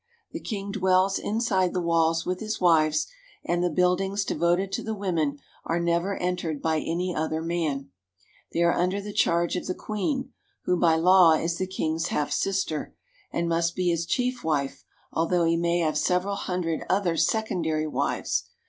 The king dwells inside the walls with his wives, and the buildings devoted to the women are never entered by any other man. They are under the charge of the queen, who by law is the 196 THE KING OF SIAM AND HIS GOVERNMENT king's half sister, and must be his chief wife, although he may have several hundred other secondary wives.